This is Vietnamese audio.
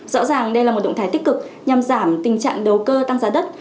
rõ ràng đây là một động thái tích cực nhằm giảm tình trạng đầu cơ tăng giá đất